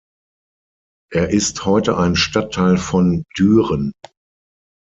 Er ist heute ein Stadtteil von Düren.